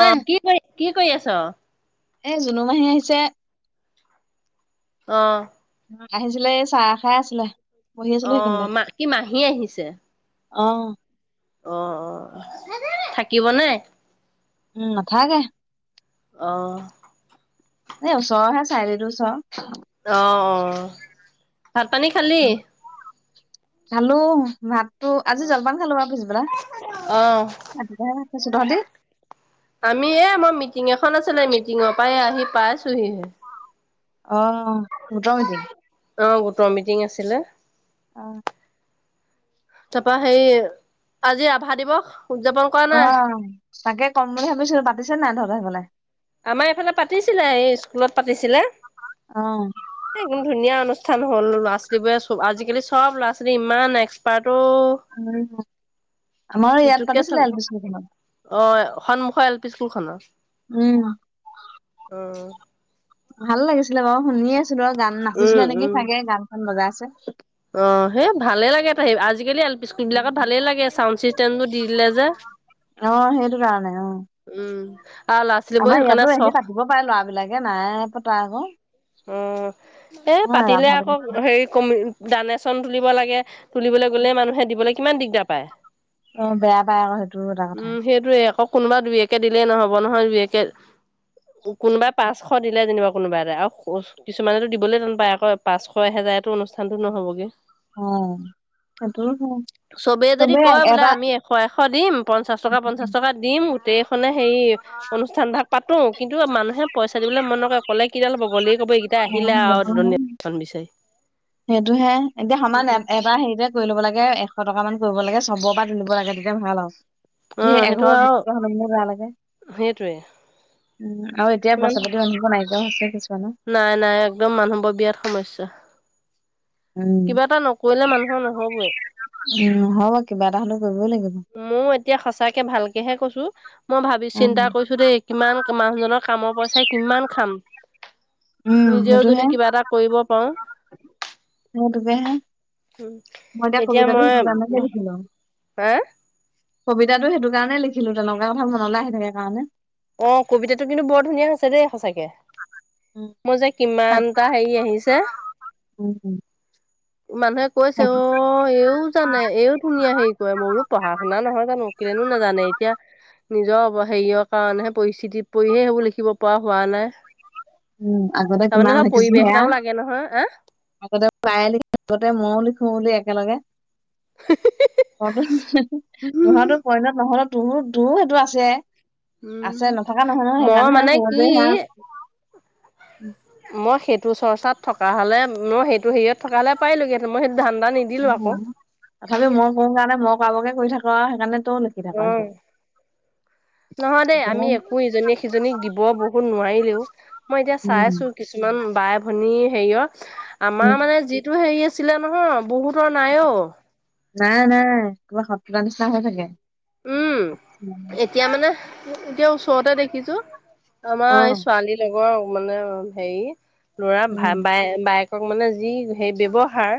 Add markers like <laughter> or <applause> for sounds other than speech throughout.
অ কি কৰি কি কৰি আছ এ জুনু মাহী আহিছে অ আহিছিলে এই চাহ খাই আছিলে বহি আছিলো অ সেইখিনিতে মা কি মাহী আহিছে অ অ অ থাকিব নে উম নাথাকে অঁ এই ওচৰৰহে চাৰিয়ালি টোৰ ওচৰ অ অ ভাত পানী খালি খালো ভাত তো আজি জলপান খালো বা পিছপেলা অ ৰাতিপুৱাহে ভাত খাইছো তহঁতি আমি এ আমাৰ মিটিং এখন আছিলে মিটিঙৰ পা আহি পাইছোহিহে অ অ গোটৰ মিটিং অ গোটৰ মিটিং আছিলে অ। তাৰপৰা সেই আজি ৰাভা দিৱস উদযাপন। কৰা অ নাই তাকে কম বুলি ভাবিছোঁ পাতিছে নাই তহঁতৰ সাইফালে। আমাৰ এইফালে পাতিছিলে এই স্কুলত পাতিছিলে। অ। একদম ধুনীয়া অনুষ্ঠান হ'ল ল'ৰা ছোৱালী বোৰে চব আজিকালি চব ল'ৰা ছোৱালী ইমান এক্সপাৰ্টো ও। আমাৰ ইয়াত চাব পাতিছিলে এলপিছত। অ সন্মুখৰ এল পি স্কুলখনৰ। উম। অ ভাল লাগিছিলে বাৰু শুনিয়ে আছিলো আৰু গান নাচিছিলে উম নেকি উম চাগে গানখন বজাই আছে। অ সেই ভালেই লাগে ত আজিকালি এল পি স্কুল বিলাকত উম। ভালেই লাগে চাউণ্ড চিষ্টেমটো দি দিলে যে। অ সেইটো কাৰণে অ। উম আৰু ল'ৰা- ছোৱালী বোৰ সেইকাৰণে চখ। পাই লৰাবিলাকে নাই পতা আকৌ। উম এ অ' পাতিলে ৰাভা আকৌ দিৱসটো হেৰি কমি। দানে চন তুলিব লাগে তুলিবলৈ গ'লে মানুহে দিবলৈ কিমান দিগদাৰ পায়। অ বেয়া পাই আকৌ সেইটো এটা কথা। দুইয়েক কোনোবা দুইয়কে দিলে নহব নহয় দুইয়কে। কোনোবাই পাঁচশ দিলে যেনিবা কোনোবা এটাই আৰু। কিছুমানেতো দিবলে টান পায় আকৌ পাঁচশ এহেজাৰেতো অনুষ্ঠানতো নহ'বগে। অ' সেইটো হয়। চবেই যদি কয় বোলে আমি এশ এশ দিম পঞ্চাশ টকা পঞ্চাশ টকা। দিম গোটেইখনে হেৰি অনুষ্ঠান ভাগ পাতো কিন্তু মানুহে পইচা দিবলৈ মন নকৰে। ক'লে কিদাল হ'ব গ'লে ক'ব এইকেইটা অ' আহিলে আৰু দলেচন বিচাৰি। সেইটো হে এতিয়া সমান এবাৰ হেৰিতে। কৰি ল'ব লাগে এশ টকা মান কৰিব লাগে চবৰ পৰা তুলিব লাগে তেতিয়া ভাল আৰু। অ দে সেইটো এঘৰৰ আৰু বেছিকৈ হ'লে বেয়া লাগে। সেইটোৱে উম আৰু এতিয়া ইমান পইচা পাতি মানুহবোৰ নাইকিয়া হৈছে কিছুমানৰ। নাই নাই একদম মানুহবোৰ বিৰাট সমস্যা। উম। কিবা এটা নকৰিলে মানুহৰ নহবই। উম হ'য় কিবা এটা হ'লেও কৰিবই লাগিব। ময়ো এতিয়া সঁচাকে ভালকেহে কৈছো মই ভাবি উম। চিন্তা কৰিছো দেই। কিমান মানুহজনৰ কামৰ পইচাই কিমান খাম। উম, নিজেও যদি কিবা এটা কৰিব পাৰো। মোৰ তোবেহে এতিয়া মই কাৰণেহে লিখিলো। হা। কবিতাটো সেইটো কাৰণে লিখিলো তেনেকুৱা কথা মনলৈ আহি থাকে কাৰণে। অ কবিতাটো কিন্তু বৰ ধুনীয়া হৈছে দেই সঁচাকে। উম। মোৰ যে কিমানটা হেৰি আহিছে। উ হ। মানুহে কৈছে অ এইও জানে এও ধুনীয়া হেৰি কৰে মোৰ। পঢ়া শুনা নহয় জানো কেলেনো নাজানে এতিয়া নিজৰ অ হেৰিয়ক। কাৰণেহে পৰিস্থিতিত পৰিহে সেইবোৰ লিখিব পৰা হোৱা নাই। উম আগতে তাৰমানে কিমান ধৰ লখিছিলো পৰিৱেশ সেয়া এটাও লাগে নহয় আহ আগতে। পাই লিখো আগতে মই লিখো নেকি একেলগে। <unintelligible> তোহতৰ <unintelligible> নহ'লে তোহোত তোও সেইটো আছে। আছে উম, নথকা নহয় নহয় মই সেইকাৰণেহে মানে কি সৰুতে সেয়া মই সেইটো চৰ্চাত থকা হ'লে, মই সেইটো হেৰিয়ত থকা হ'লে পাৰিলেহেঁতেন। মই সেইটো ধান্দা নিদি উম, তথাপিও মই কৰো কাৰণে মই কৰাবোৰকে কৰি থাক আ, সেইকাৰণে তও লিখি থাক <unintelligible> অ সিফালে নহয় দেই, আমি একো ইজনীক-সিজনীক দিব বহুত নোৱাৰিলেও মই এতিয়া চাই আছো কি কিছুমান বাই-ভনী হেৰিয়ত। আমাৰ উম, মানে যিটো হেৰি আছিলে নহয় বহুত তৰ নাই অ'। নাই, নাই, কিবা শত্ৰুতা নিচিনা হৈ থাকে। উম, এতিয়া মানে এতিয়া ওচৰতে দেখিছো আমাৰ এই অ', ছোৱালী লগৰ মানে হেৰি ল'ৰা উম, ভাই-বাই বাইক ক মানে যি সেই ব্যৱহাৰ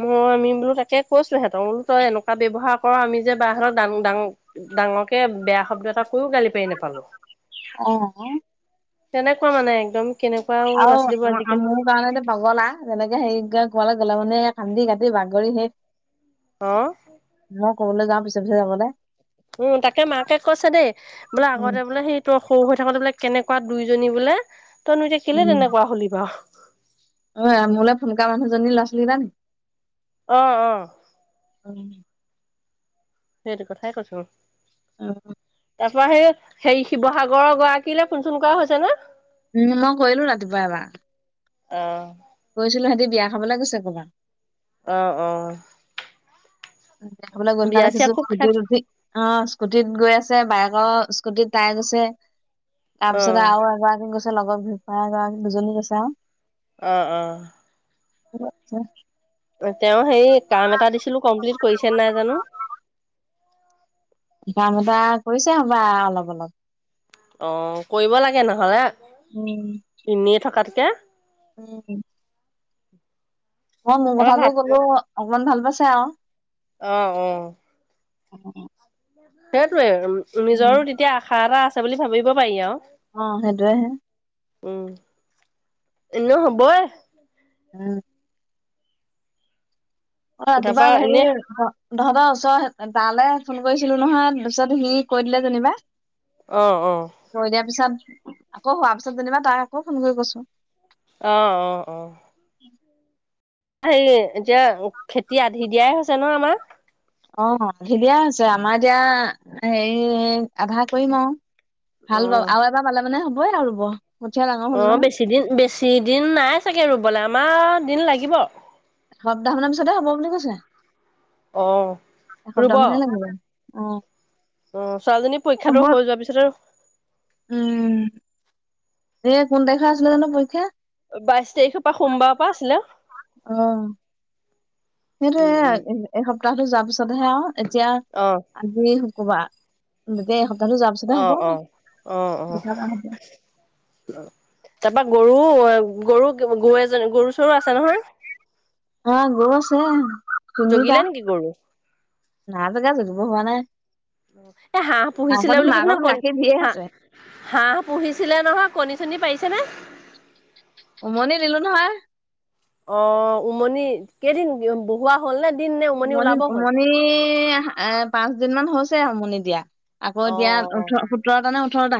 মই আমি বোলো তাকে কৈছো সিহঁতক বোলো তই এনেকুৱা ব্যৱহাৰ ক'ৰ, আমি যে বাহতকঁ ডাঙৰ ডাঙৰকে বেয়া শব্দ এটা কৈও গালি পাৰি নাপালো। অ', আকৌ। তেনেকুৱা মানে একদম কেনেকুৱা ল'ৰা আৰু ছোৱালীবোৰ আজিকালি <unintelligible> মোৰ কাৰণে যে পগলা। যেনেকে হেৰি ক'বালৈ গ'লে মানে, কান্দি-কাটি বাগৰি সেই অ'। মই ক'বালৈ যাওঁ পিছে-পিছে যাব দে। উম, তাকে মাকে কৈছে দেই, বোলে উম, আগতে বোলে সেই তই সৰু হৈ থাকোতে বোলে কেনেকুৱা দুইজনী বোলে, তইনো এতিয়া কেলে উম, তেনেকুৱা হ'লি বাৰু। অ', মোৰোলৈ ফোন কৰা মানুহজনী ল'ৰা-ছোৱালী <unintelligible> অ', অ'। উম। সেইটো কথাই কৈছোঁ। অ', <unintelligible> তাৰ পৰা সেই হেই শিৱসাগৰ গৰাকীলৈ ফোন-চোন কৰা হৈছে নে? উম, মই কৰিলো ৰাতিপুৱা এবাৰ। অ'। গৈছিলো, সেহেঁতি বিয়া খাবলৈ গৈছে ক'ৰবাত। অ', অ'। বিয়া খাবলৈ গ'ল বিয়া কাৰনে চিয়া খুব খাই <unintelligible> অ', স্কুটিত গৈ আছে। বাইকৰ স্কুটিত তাই গৈছে। অ তাৰপিছত আৰু এগৰাকী গৈছে লগৰ <unintelligible> এগৰাকী দুজনী গৈছে আৰু। অ', অ'। <unintelligible> তেওঁ সেই কাম এটা দিছিলো কমপ্লিট কৰিছে নাই জানোঁ। কাম এটা কৰিছে হ'বলা অলপ-অলপ। অ', কৰিব লাগে, নহ'লে উম। এনেই থকাতকে। উম। <inaudible> অ' মোৰ তাৰপৰা কথাটো ভাত কলো অকমান ভাল পাইছে আৰু। অ' অ'। সেইটোৱে নিজৰো তেতিয়া আশা এটা আছে বুলি ভাবিব পাৰি আৰু। অ' সেইটোয়ে হে। উম' এনেও হ'বই। উম। অ' তোমাৰ তাৰপা বা এনে হেই। তহঁতৰ ওচৰ তালে ফোন কৰিছিলোঁ নহয় তাৰপিছত সি কৈ দিলে যেনিবা। অ' অ'। কৰি দিয়াৰ পিছত আকৌ' হোৱাৰ পিছত যেনিবা তাই আকৌ ফোন কৰি কৈছোঁ। অ' অ' অ'। হেৰি এতিয়া খেতি আধি দিয়াই হৈছে ন আমাৰ।। অ' আধি দিয়া হৈছে আমাৰ এতিয়া হেৰি আধা কৰিম আৰু। অ হাল বাব আৰু এবাৰ বালে মানে হ'বইে আৰু ৰুব। কঠীয়া ডাঙৰ হ'ল অ' নহয় বেছি দিন, বেছি দিন নাই চাগৈ ৰুবলৈ আমাৰ দিন লাগিব। সপ্তাহ মানৰ পিছতে হ'ব বুলি কৈছে অ ৰুব সপ্তাহ মানহে লাগিব। অ। অ' ছোৱালীজনী হ'ব পৰীক্ষাটো হৈ যোৱাৰ পিছত আৰু-। উম' এ কোন তাৰিখে আছিলে জানোঁ পৰীক্ষা। বাইশ তাৰিখৰ পৰা সোমবাৰৰ পৰা আছিলে অ উ উম। এই সপ্তাহটো যোৱাৰ পিছতহে আৰু এতিয়া। অ। আজি শুক্ৰবাৰ গতিকে এই সপ্তাহটো যোৱাৰ পিছতহে অ হ'ব। অ তাৰপৰা গৰু গৰু গৰু এজনী গৰু চৰু আছে নহয়। অ গৰু আছে তিনিটা জগিলে নেকি গৰু নাই জগে জগিব হোৱা নাই। উ এ হাঁহ পুহিছিলে মাকতো বুলি মাকৰ কৈছিলে ন দেখোন কণ গাখীৰ দিয়ে হা। আছে হাঁহ পুহিছিলে নহয় কণী চনী পাৰিছেনে। উমনি দিলোঁ নহয়। অ উমনি কেইদিন বহোৱা হ'ল নে দিন নে উমনি ওলাব হ'ল। কণী এ- পাঁচ দিন মান হৈছে উমনি দিয়া আকৌ অ দিয়া অ ওঠৰ। সোতৰটা নে ওঠৰটা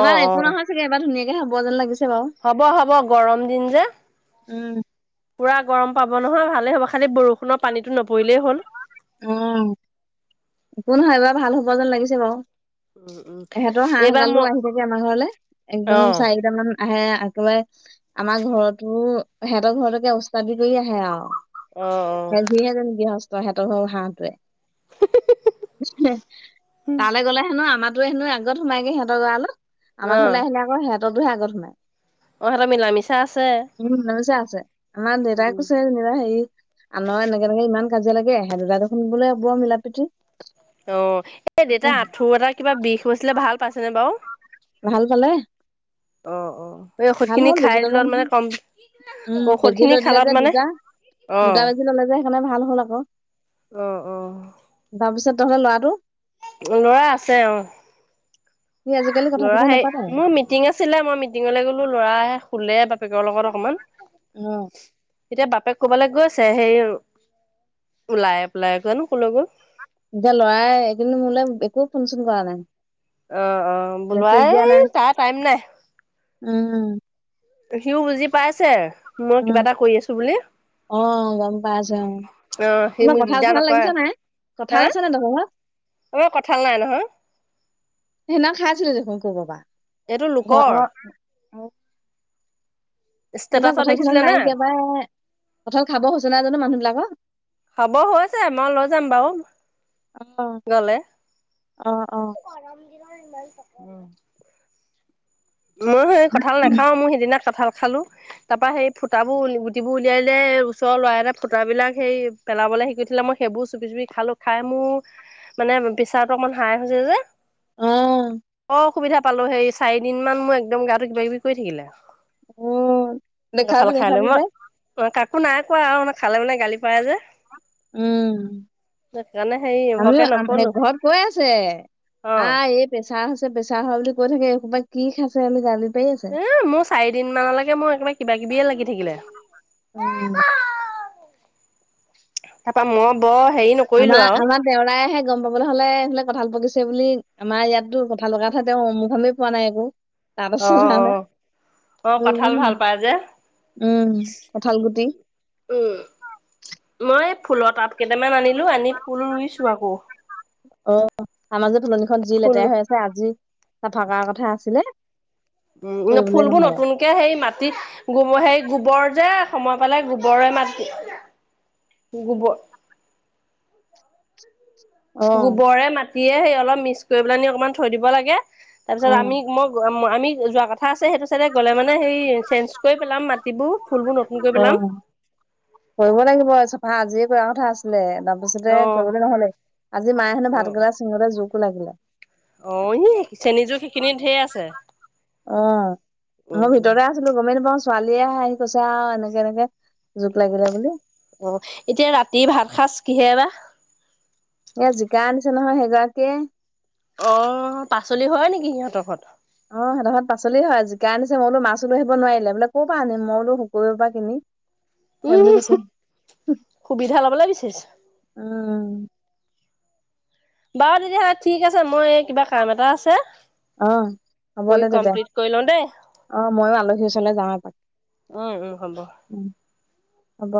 অ অ একো নহয় চাগে এবাৰ ধুনীয়াকে হ'ব যেন লাগিছে। বাৰু। হ'ব হ'ব গৰম দিন যে। উম পুৰা গৰম পাব নহয় ভালেই হ'ব খালি বৰষুণৰ পানীটো নপৰিলেই হ'ল। উ একো নহয় এইবাৰ ভাল হ'ব যেন লাগিছে বাৰু। উম উম এহেঁতৰ হাঁহ এইবাৰ গালো মই আহিব যে আমাৰ ঘৰলৈ একদম অ চাৰাই কেইটামান। আহে একেবাৰে আমাৰ ঘৰতো সেহঁতৰ ঘৰলৈকে ওস্তাদি কৰি আহে আৰু। অ অ অ যেন সিহে যেন গৃহস্থ সিহঁতৰ হ'ল হাঁহটোৱে। উ তালৈ গ'লে হেনো আমাক। সিটোয়ে হেনো আগত সোমাইগে সিঁহতৰ গড়ালত আমাৰ ঘৰলৈ আহিলে আকৌ সিঁহতৰতোহে আগত সোমায়। অঁ সেত মিলা মিচা আছে। উম মিচা আছে আমাৰ দেউতাই উম কৈছে না হেৰি আনৰ এনেকে তেনেকে ইমান কাজিয়া লাগে। হাঁহ বিলাকৰচোন বোলে বৰ মিলা প্ৰীতি। অ এই দেউতাৰ আঁঠুৰ এটা কিবা বিষ হৈছিলে ভাল পাইছেনে বাৰু। ভাল পালে? অ অ এই ভাল ঔষধখিনি হ'ল খাই বেজি ললে দিলত মানে নহয় কম। উম বেজি ঔষধখিনি লৈ দিলে খালাত মানে, অ'। ইফালে ভাল হ'ল আকৌ। অ', অ'। তাৰপিছত তহঁতৰ ল'ৰাটো। ল'ৰা আছে অ'। সি আজিকালি কথা ল'ৰা চথা সেই, নাপাতে মোৰ মিটিং আছিলে মই মিটিঙলৈ গ'লো, ল'ৰা শুলে বাপেকৰ লগত অকমান। অ'। এতিয়া বাপেক ক'ৰবালৈ গৈছে সেই, ওলাই পেলাই জানো ক'লৈ গ'ল। এতিয়া ল'ৰাই একেদিন মোলৈ একো ফোন চোন কৰা নাই। অ', অ', মেছেজ বলাই দিয়া নাই তাৰ টাইম নাই। উম। সিওঁ বুজি পাইছে, মই কিবা উম এটা কৰি আছোঁ বুলি। অ' গম পাইছোঁ, অ', সি তোমাৰ মোক কঁঠাল দিগদাৰ ঘৰা নকৰে লাগিছে নাই। কঁঠাল আছে ন' তহঁতৰ ঘৰত। এই কঁঠাল নাই নহয়। সেইদিনা খাইছিলোঁ দেখোন ক'ৰবাৰ পৰা। এইটো লোকৰ। ঘৰ অ এইবাৰ ষ্টেটাচত কঁঠাল চঠাল দেখিছিলে নে? নাই কিয় বা, কঁঠাল খাব হৈছে নাই জানো মানুহ বিলাকৰ। খাব হৈছে মই লৈ যাম বাৰু, অ', গ'লে। অ', অ', <unintelligible> মইও সেই কঁঠাল নাখাওঁ, মই সিদিনা কঁঠাল খালোঁ। তাৰপৰা সেই ফুটাবোৰ গুটিবোৰ উলিয়াই দিলে ওচৰৰ ল'ৰা এটা ফুটাবিলাক সেই পেলাবলৈ শিকি থলে মই সেইবোৰ চুপি চুপি খালোঁ খাই মোৰ মানে মোৰ পেচাৰটো অকমান হাই হৈছে যে। অ'। খুব অসুবিধা পালোঁ, সেই চাৰিদিন মান মোৰ গাটো কিবা কিবি কৰি থাকিলে। অ', দেখাবি কঁঠাল খাই লৈ দেখাবি মই, পাই কাকো নাই কোৱা আৰু মানে খালে মানে গালি পাৰে যে। উম। সেইকাৰণে হেৰি এইবোৰকে আমিও নকলো ঘৰত কৈ আছে, অ <unintelligible> প্ৰেচাৰ হৈছে প্ৰেচাৰ হয় বুলি কৈ থাকে এখোপা কি খাইছে বুলি গালি পাৰি আছে। এ মোৰ চাৰিদিন মানলৈকে মোৰ একেবাৰে কিবা কিবিয়ে লাগি থাকিলে। উম। এটা <unintelligible> <unintelligible> আমাৰ, আমাৰ দেওৰাইহে গম পাব নহ'লে কঁঠাল পকিছে বুলি আমাৰ ইয়াতো কঁঠাল লগতহে তেওঁ <unintelligible> পোৱা নাই একো, তাৰ অ পাছত যোৱা অ অ কঁঠাল নাই। ভাল পাই যে <inaudible> উম, কঠাল গুটি। উম, মই ফুলৰ তাব কেইটামান আনিলোঁ, আনি ফুল ৰুইছোঁ আকৌ। অ' আমাৰ যে ফুলনিখন যি ফুল লেতেৰা হৈ আছে আজি চাফা কৰাৰ কথা আছিলে। উম, এ, কৰিবলৈ ফুলবোৰ নহ'লে। নতুন কে হেৰি মাটিত গোবৰ হেই গোবৰ যে, সময় পালে গোবৰে মাটি গোবৰ অ', গোবৰে মাটিয়ে সেই অলপ মিক্স কৰি পেলাই নি অলপ থৈ দিব লাগে, তাৰ পিছত অ'। আমি মোক <unintelligible> আমি যোৱা কথা আছে সেইটো চাইডে গ'লে মানে সেই চেঞ্জ কৰি পেলাম মাটিবোৰ ফুলবোৰ ন অ, কৰিব লাগিব, চাফা আজিয়ে কৰা কথা আছিল একদম। তাৰপিছতে অ কৰিবলৈ নহলে, আজি মায়ে হেনো অ ভাতকেৰেলা ছিঙোতে জুক ওলাল বোলে। অ', চেনি যুক সেইখিনিয়ে ঢেৰ আছে। অ', উম মোৰ উম ভিতৰত। ছিলো, গমে নাপাওঁ, ছোৱালীয়ে কৈছা আৰু এনেকে- এনেকে যোক লাগিলে বুলি। অ', এতিয়া ৰাতি ভাত - চাছ কিহে বা? এ, জিকা আনিছে নহয়, সেইগৰাকীয়ে। অ', পাচলি হয় নেকি সিহঁতৰ ঘৰত? অ', সেইটোক পাচলি হয় জিকা আনি আনিছে, মই বুলোঁ, মাছও লৈ আহিব নোৱাৰিলে বোলে, ক'ৰ পৰা আনিম মই বুলোঁ, শুকুৰবাৰে পৰা কিনি। সেই উম বুলি কৈছে, সুবিধা ল'বলৈ বিচাৰিছে উম। বাৰু তেতিয়া হলে ঠিক আছে, মই যে কিবা কাম এটা আছে। অ', হ'ব কৰি দে তেতিয়া কমপ্লিট কৰি লওঁ দেই অ', মইয়ো আলহী ওচৰত যাও এপাক। উম, উম হ'ব। উম, হ'ব।